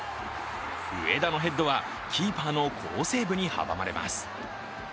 上田のヘッドはキーパーの好セーブに阻まれます。